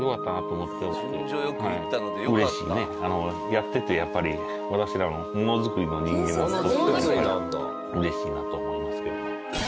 やっててやっぱり私らもモノづくりの人間としてはうれしいなと思いますけども。